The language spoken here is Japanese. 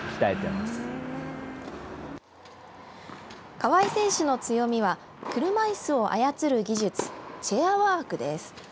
川合選手の強みは車いすを操る技術チェアワークです。